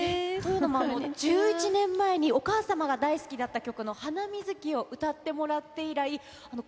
１１年前に、お母様が大好きだった曲のハナミズキを歌ってもらって以来、そうです。